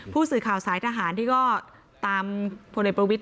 ผู้สื่อข่าวสายทหารที่ก็ตามพลเอกประวิทย